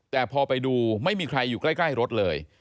แต่พอไปดูไม่มีใครอยู่ใกล้รถเลย